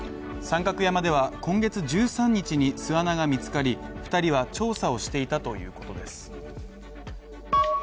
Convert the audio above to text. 三角山では今月１３日に巣穴が見つかり２人は調査をしていたということです。